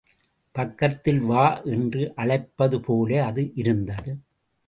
பக்கத்தில் வா என்று அழைப்பது போல அது இருந்தது.